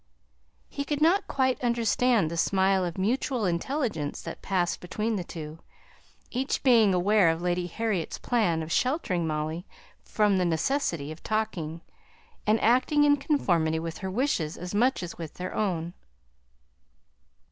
He could not quite understand the smile of mutual intelligence that passed between the two, each being aware of Lady Harriet's plan of sheltering Molly from the necessity of talking, and acting in conformity with her wishes as much as with their own.